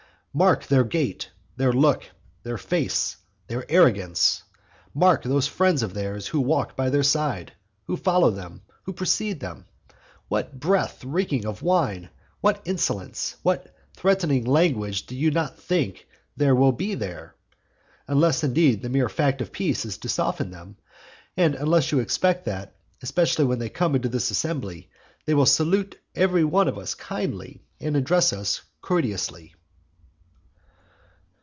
Mark their gait, their look, their face, their arrogance; mark those friends of theirs who walk by their side, who follow them, who precede them. What breath reeking of wine, what insolence, what threatening language do you not think there will be there? Unless, indeed, the mere fact of peace is to soften them, and unless you expect that, especially when they come into this assembly, they will salute every one of us kindly, and address us courteously.